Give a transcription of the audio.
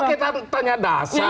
pokoknya tanya dasar